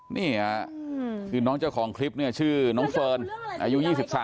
นี่ค่ะคือน้องเจ้าของคลิปเนี่ยชื่อน้องเฟิร์นอายุ๒๓